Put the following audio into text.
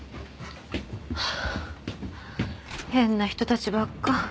ハァ変な人たちばっか。